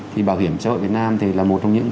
thì bảo hiểm xã hội việt nam thì là một trong những